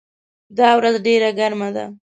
دا ورځ ډېره ګرمه ده.